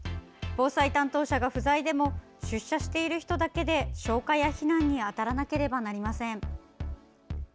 防災担当者が不在でも出社している人だけで消火や避難に当たらなければなりません。